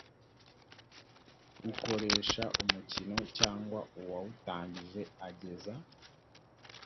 ukoresha umukino cyangwa uwawutangije ageza